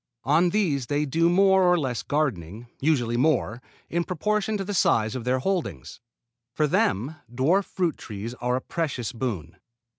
On these they do more or less gardening, usually more, in proportion to the size of their holdings. For them dwarf fruit trees are a precious boon.